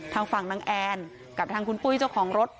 ทางฝั่งนางแอนกับทางคุณปุ้ยเจ้าของรถ